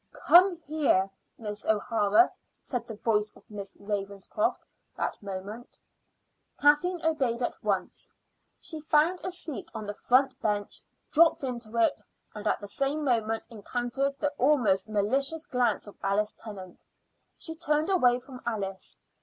"Come here, Miss O'Hara," said the voice of Miss Ravenscroft at that moment. Kathleen obeyed at once. She found a seat on the front bench, dropped into it, and at the same moment encountered the almost malicious glance of Alice Tennant. She turned away from Alice.